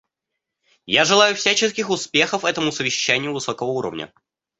Я желаю всяческих успехов этому совещанию высокого уровня.